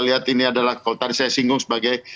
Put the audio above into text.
lihat ini adalah kalau tadi saya singgung sebagai